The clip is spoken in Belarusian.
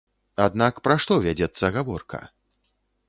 Аднак пра што вядзецца гаворка?